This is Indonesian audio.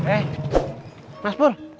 eh mas pur